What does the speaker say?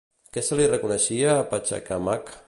Què se li reconeixia a Pachacamac?